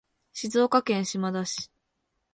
静岡県島田市